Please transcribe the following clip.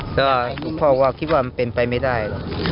แต่ว่าทุกคนก็คิดว่ามันเป็นไปไม่ได้